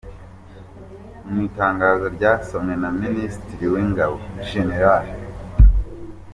Mu itangazo ryasomwe na Minisitiri w’Ingabo, Gen.